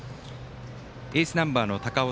エースナンバーの高尾。